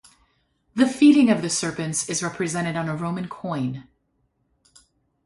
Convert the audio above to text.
The feeding of the serpents is represented on a Roman coin.